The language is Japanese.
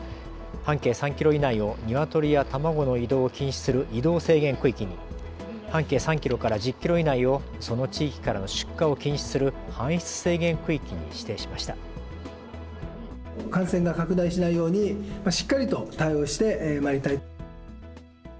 半径３キロ以内をニワトリや卵の移動を禁止する移動制限区域に半径３キロから１０キロ以内をその地域からの出荷を禁止する搬出制限区域に指定しました。